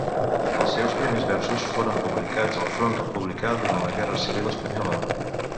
Els seus primers versos foren publicats al front republicà durant la Guerra Civil espanyola.